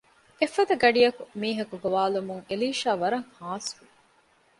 އެފަދަ ގަޑިއަކު މީހަކު ގޮވާލުމުން އެލީޝާ ވަރަށް ހާސްވި